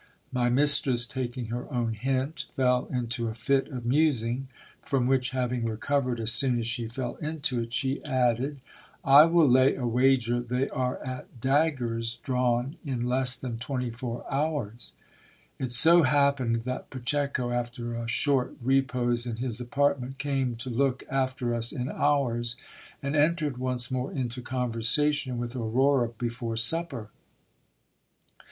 My mistress, taking her own hint, fell into a fit of musing ; from which having recovered as soon as she fell into it, she added — I will lay a wager they are at daggers drawn in less than twenty four hours. It so happened that Pacheco, after a short repose in his apartment, came to look after us in ours, and entered once more into conversation with Aurora be fore supper.